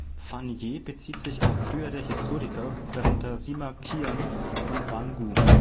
Fan Ye bezieht sich auf frühere Historiker, darunter Sima Qian und Ban Gu.